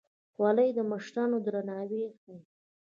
خولۍ د مشرانو درناوی ښيي.